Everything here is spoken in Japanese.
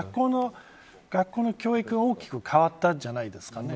学校の教育が大きく変わったんじゃないですかね。